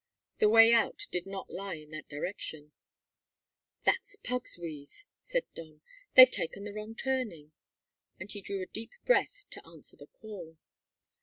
The way out did not lie in that direction. "That's Pug's wheeze," said Don. "They've taken the wrong turning;" and he drew a deep breath to answer the call.